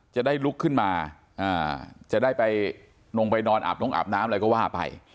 จะได้ลุกขึ้นมาจะได้ไปลงไปนอนอาบนงอาบน้ำอะไรก็ว่าไป